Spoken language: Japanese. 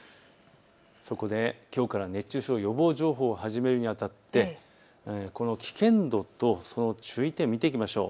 そこできょうから熱中症予防情報を始めるにあたって危険度とその注意点を見ていきましょう。